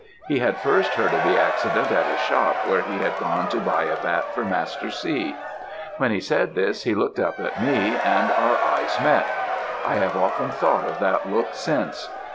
He had first heard of the accident at a shop where he had gone to buy a bat for Master C. When he said this, he looked up at me and our eyes met. I have often thought of that look since.